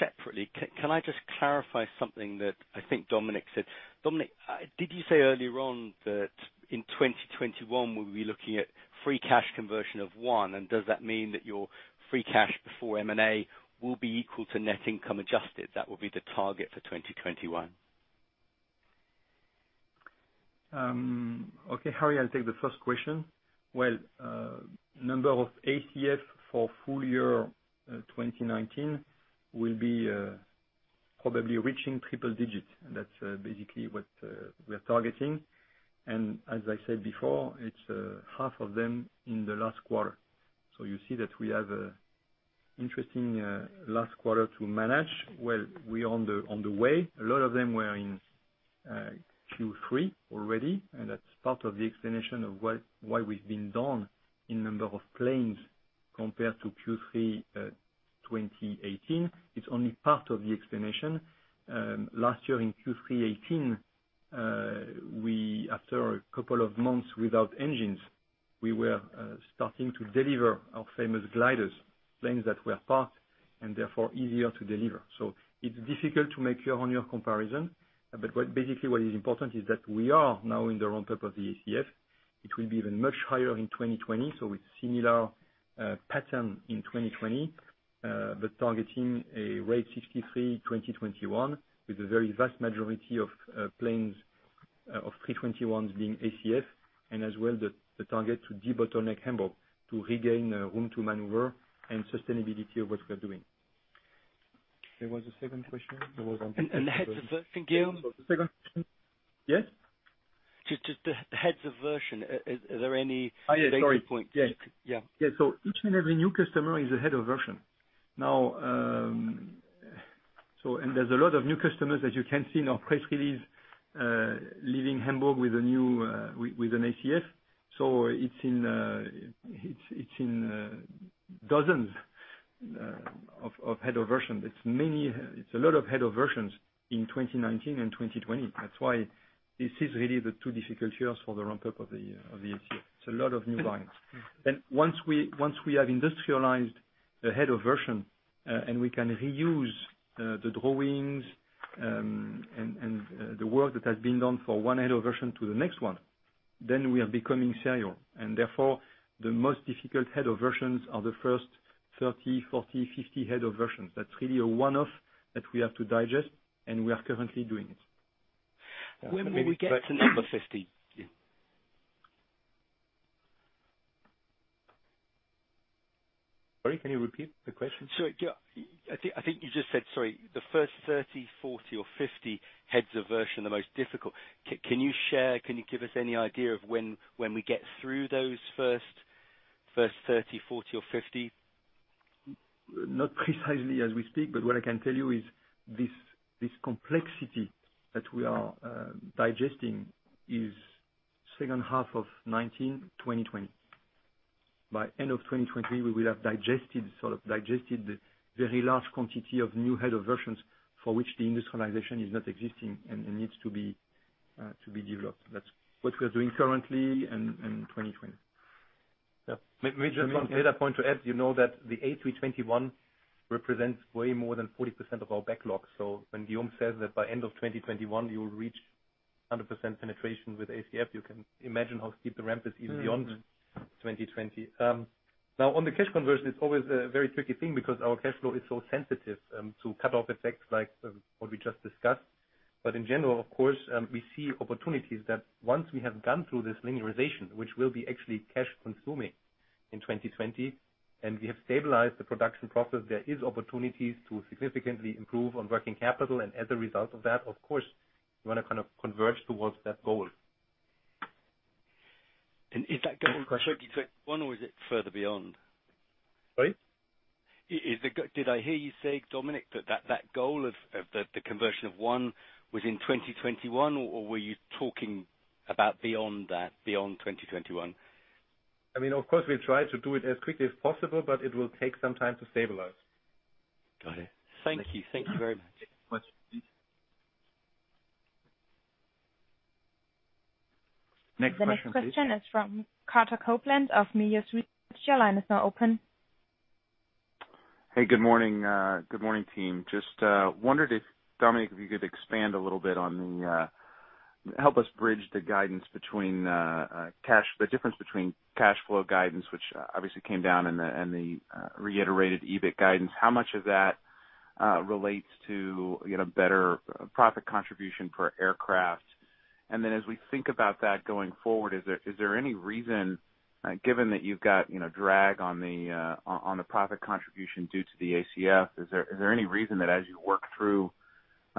[SPEAKER 11] Separately, can I just clarify something that I think Dominik said. Dominik, did you say earlier on that in 2021, we'll be looking at free cash conversion of one, and does that mean that your free cash before M&A will be equal to net income adjusted? That will be the target for 2021.
[SPEAKER 3] Okay, Harry, I'll take the first question. Well, number of ACF for full year 2019 will be probably reaching triple digits. That's basically what we are targeting, and as I said before, it's half of them in the last quarter. You see that we have an interesting last quarter to manage, well we're on the way. A lot of them were in Q3 already, and that's part of the explanation of why we've been down in number of planes compared to Q3 2018. It's only part of the explanation. Last year in Q3 2018, after a couple of months without engines, we were starting to deliver our famous gliders, planes that were parked and therefore easier to deliver. It's difficult to make a year-on-year comparison. Basically, what is important is that we are now in the ramp-up of the ACF. It will be even much higher in 2020, so it's similar pattern in 2020, but targeting a rate 63, 2021 with a very vast majority of planes of A321s being ACF, and as well, the target to debottleneck Hamburg to regain room to maneuver and sustainability of what we are doing. There was a second question?
[SPEAKER 11] The heads of version, Guillaume?
[SPEAKER 3] Yes?
[SPEAKER 11] Just the heads of version.
[SPEAKER 3] Oh yeah, sorry.
[SPEAKER 11] Yeah.
[SPEAKER 3] Yeah, each and every new customer is a head of version. There's a lot of new customers, as you can see now, [Price Hill] is leaving Hamburg with an ACF. It's in dozens of heads of version. It's a lot of heads of version in 2019 and 2020. That's why this is really the two difficult years for the ramp-up of the ACF. It's a lot of new lines. Once we have industrialized the head of version and we can reuse the drawings and the work that has been done for one head of version to the next one, then we are becoming serial. Therefore, the most difficult heads of version are the first 30, 40, 50 heads of version. That's really a one-off that we have to digest, and we are currently doing it.
[SPEAKER 11] When will we get to number 50?
[SPEAKER 3] Sorry, can you repeat the question?
[SPEAKER 11] Sure. I think you just said, sorry, the first 30, 40 or 50 heads of version are the most difficult. Can you share, can you give us any idea of when we get through those first 30, 40 or 50?
[SPEAKER 3] Not precisely as we speak, but what I can tell you is this complexity that we are digesting is second half of 2019, 2020. By end of 2020, we will have digested the very large quantity of new heads of version for which the industrialization is not existing and needs to be developed. That's what we're doing currently in 2020.
[SPEAKER 4] May I just point to add, you know that the A321 represents way more than 40% of our backlog. When Guillaume says that by end of 2021 you will reach 100% penetration with ACF, you can imagine how steep the ramp is even beyond 2020. On the cash conversion, it's always a very tricky thing because our cash flow is so sensitive to cut-off effects like what we just discussed. In general, of course, we see opportunities that once we have gone through this linearization, which will be actually cash consuming in 2020, and we have stabilized the production process, there is opportunities to significantly improve on working capital. As a result of that, of course, we want to kind of converge towards that goal.
[SPEAKER 11] Is that goal 2021 or is it further beyond?
[SPEAKER 4] Sorry?
[SPEAKER 11] Did I hear you say, Dominik, that that goal of the conversion of one was in 2021, or were you talking about beyond that, beyond 2021?
[SPEAKER 4] Of course, we'll try to do it as quickly as possible, but it will take some time to stabilize.
[SPEAKER 11] Got it. Thank you. Thank you very much.
[SPEAKER 4] Next question, please.
[SPEAKER 1] The next question is from Carter Copeland of Melius Research. Your line is now open.
[SPEAKER 12] Hey, good morning. Good morning, team. Just wondered if, Dominik, if you could expand a little bit. Help us bridge the difference between cash flow guidance, which obviously came down in the reiterated EBIT guidance. How much of that relates to better profit contribution per aircraft? As we think about that going forward, is there any reason, given that you've got drag on the profit contribution due to the ACF, is there any reason that as you work through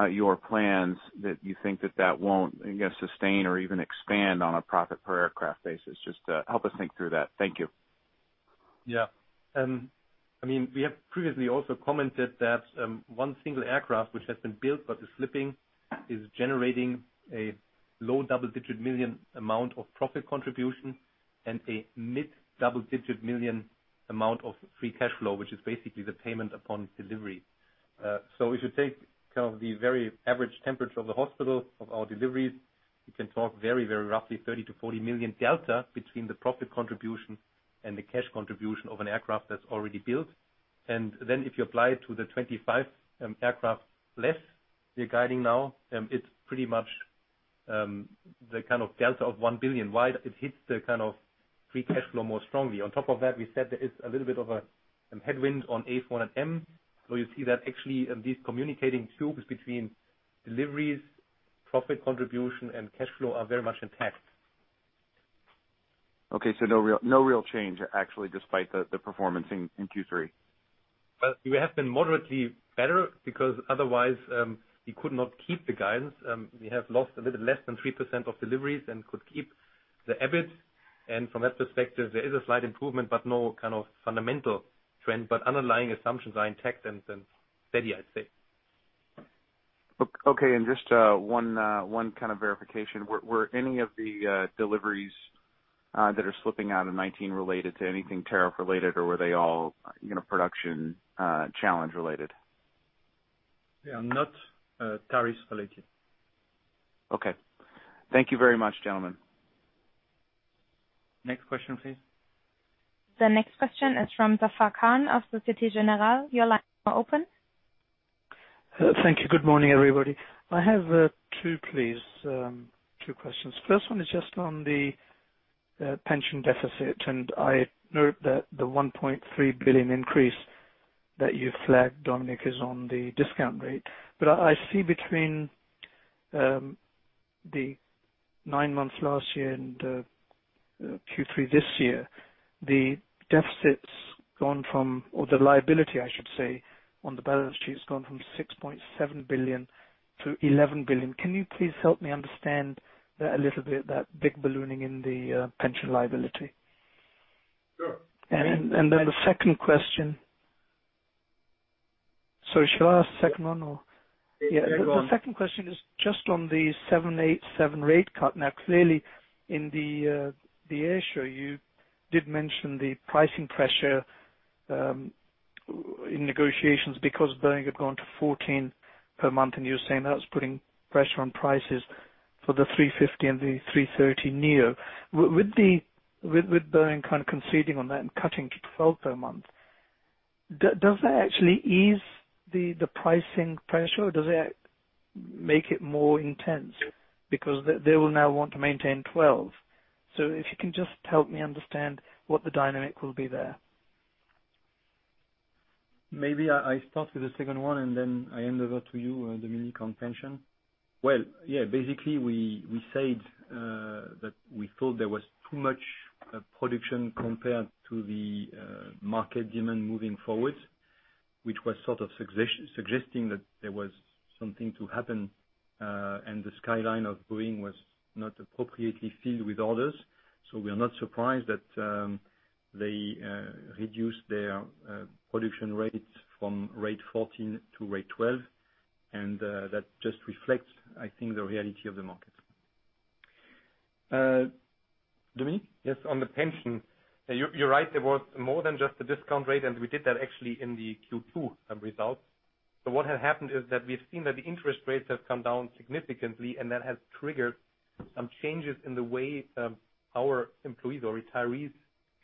[SPEAKER 12] your plans, that you think that won't sustain or even expand on a profit per aircraft basis? Just help us think through that. Thank you.
[SPEAKER 4] We have previously also commented that one single aircraft, which has been built but is slipping, is generating a low double-digit million amount of profit contribution and a mid double-digit million amount of free cash flow, which is basically the payment upon delivery. If you take the very average temperature of the hospital of our deliveries, you can talk very roughly 30 million-40 million delta between the profit contribution and the cash contribution of an aircraft that's already built. If you apply it to the 25 aircraft less we are guiding now, it's pretty much the kind of delta of 1 billion. It hits the kind of free cash flow more strongly. On top of that, we said there is a little bit of some headwind on A400M. You see that actually these communicating tubes between deliveries, profit contribution, and cash flow are very much intact.
[SPEAKER 12] Okay, no real change actually, despite the performance in Q3.
[SPEAKER 4] Well, we have been moderately better because otherwise we could not keep the guidance. We have lost a little less than 3% of deliveries and could keep the EBIT. From that perspective, there is a slight improvement but no kind of fundamental trend. Underlying assumptions are intact and steady, I'd say.
[SPEAKER 12] Okay. Just one kind of verification. Were any of the deliveries that are slipping out in 2019 related to anything tariff related, or were they all production challenge related?
[SPEAKER 4] They are not tariffs related.
[SPEAKER 12] Okay. Thank you very much, gentlemen.
[SPEAKER 3] Next question, please.
[SPEAKER 1] The next question is from Zafar Khan of Société Générale. Your line is now open.
[SPEAKER 13] Thank you. Good morning, everybody. I have two, please. Two questions. First one is just on the pension deficit. I note that the 1.3 billion increase that you flagged, Dominik, is on the discount rate. I see between the nine months last year and Q3 this year, the deficit's gone from, or the liability I should say, on the balance sheet has gone from 6.7 billion to 11 billion. Can you please help me understand that a little bit, that big ballooning in the pension liability?
[SPEAKER 4] Sure.
[SPEAKER 13] The second question. Shall I ask the second one, or?
[SPEAKER 4] Yeah, go on.
[SPEAKER 13] The second question is just on the 787 rate cut. Clearly in the Airshow you did mention the pricing pressure in negotiations because Boeing had gone to 14 per month, and you were saying that was putting pressure on prices for the A350 and the A330neo. With Boeing kind of conceding on that and cutting to 12 per month, does that actually ease the pricing pressure or does that make it more intense? They will now want to maintain 12. If you can just help me understand what the dynamic will be there.
[SPEAKER 3] Maybe I start with the second one. Then I hand over to you, Dominik, on pension. Well, yeah, basically we said that we thought there was too much production compared to the market demand moving forward, which was sort of suggesting that there was something to happen. The skyline of Boeing was not appropriately filled with orders. We are not surprised that they reduced their production rates from rate 14 to rate 12. That just reflects, I think, the reality of the market. Dominik?
[SPEAKER 4] Yes, on the pension, you're right, there was more than just the discount rate. We did that actually in the Q2 results. What had happened is that we've seen that the interest rates have come down significantly. That has triggered some changes in the way our employees or retirees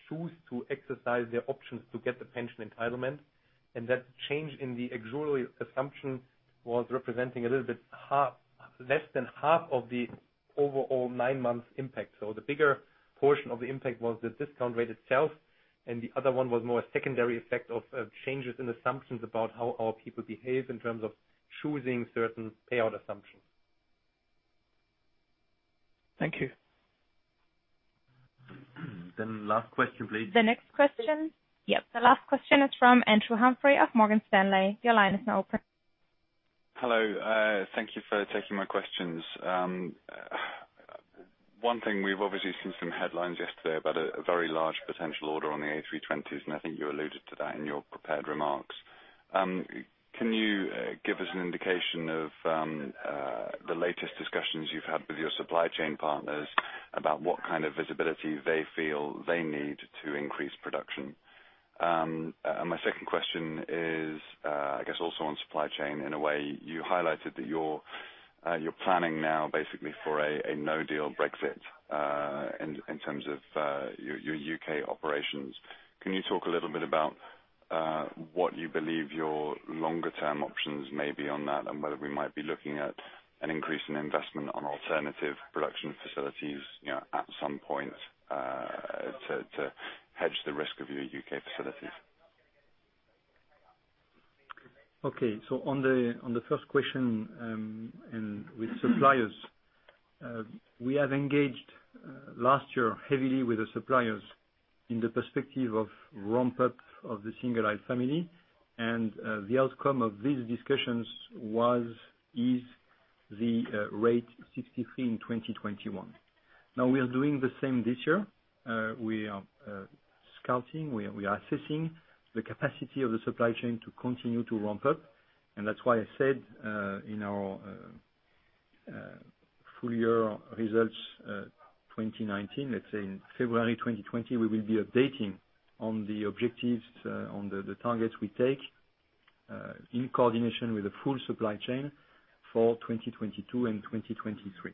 [SPEAKER 4] choose to exercise their options to get the pension entitlement. That change in the actuarial assumption was representing a little bit less than half of the overall nine-month impact. The bigger portion of the impact was the discount rate itself. The other one was more a secondary effect of changes in assumptions about how our people behave in terms of choosing certain payout assumptions.
[SPEAKER 13] Thank you.
[SPEAKER 3] Last question, please.
[SPEAKER 1] The next question. Yep, the last question is from Andrew Humphrey of Morgan Stanley. Your line is now open.
[SPEAKER 14] Hello. Thank you for taking my questions. One thing, we've obviously seen some headlines yesterday about a very large potential order on the A320s, and I think you alluded to that in your prepared remarks. Can you give us an indication of the latest discussions you've had with your supply chain partners about what kind of visibility they feel they need to increase production? My second question is, I guess also on supply chain, in a way, you highlighted that you're planning now basically for a no deal Brexit, in terms of your U.K. operations. Can you talk a little bit about what you believe your longer term options may be on that and whether we might be looking at an increase in investment on alternative production facilities at some point, to hedge the risk of your U.K. facilities?
[SPEAKER 3] Okay. On the first question, with suppliers, we have engaged last year heavily with the suppliers in the perspective of ramp up of the single aisle family. The outcome of these discussions is the rate 63 in 2021. We are doing the same this year. We are scouting, we are assessing the capacity of the supply chain to continue to ramp up. That's why I said, in our full year results, 2019, let's say in February 2020, we will be updating on the objectives, on the targets we take, in coordination with the full supply chain for 2022 and 2023.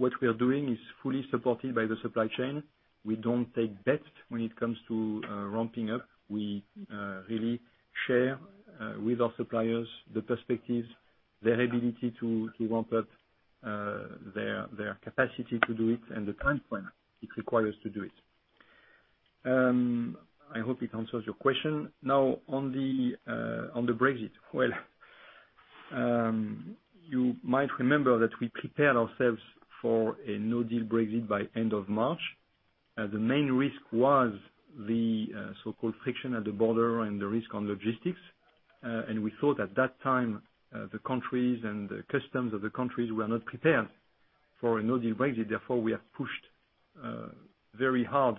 [SPEAKER 3] What we are doing is fully supported by the supply chain. We don't take bets when it comes to ramping up. We really share with our suppliers the perspectives. Their ability to ramp up their capacity to do it and the time frame it requires to do it. I hope it answers your question. On the Brexit. Well, you might remember that we prepared ourselves for a no-deal Brexit by end of March. The main risk was the so-called friction at the border and the risk on logistics. We thought at that time the countries and the customs of the countries were not prepared for a no-deal Brexit, therefore, we have pushed very hard.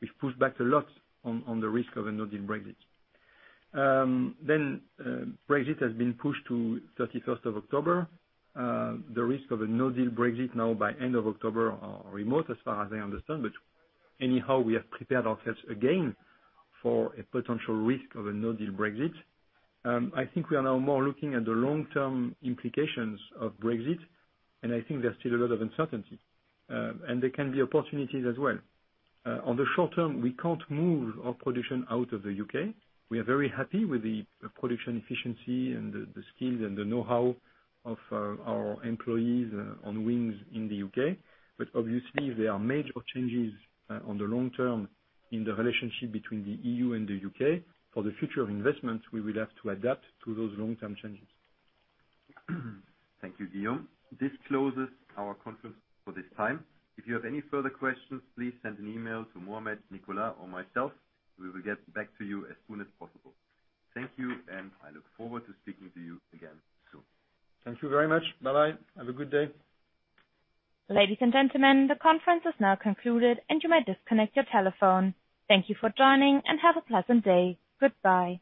[SPEAKER 3] We've pushed back a lot on the risk of a no-deal Brexit. Brexit has been pushed to 31st of October. The risk of a no-deal Brexit now by end of October are remote, as far as I understand. Anyhow, we have prepared ourselves again for a potential risk of a no-deal Brexit. I think we are now more looking at the long-term implications of Brexit, and I think there's still a lot of uncertainty. There can be opportunities as well. On the short term, we can't move our production out of the U.K. We are very happy with the production efficiency and the skills and the knowhow of our employees on wings in the U.K. Obviously, there are major changes on the long term in the relationship between the EU and the U.K. For the future of investments, we will have to adapt to those long-term changes.
[SPEAKER 2] Thank you, Guillaume. This closes our conference for this time. If you have any further questions, please send an email to Mohamed, Nicolas, or myself. We will get back to you as soon as possible. Thank you, and I look forward to speaking to you again soon.
[SPEAKER 3] Thank you very much. Bye-bye. Have a good day.
[SPEAKER 1] Ladies and gentlemen, the conference is now concluded and you may disconnect your telephone. Thank you for joining, and have a pleasant day. Goodbye.